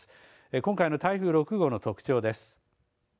今回の台風６号の特徴です。